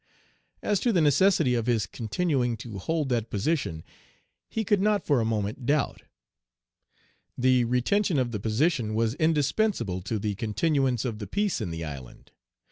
As to the necessity of his continuing to hold that position, he could not for a moment doubt. The retention of the position was indispensable to the continuance of the peace in the island.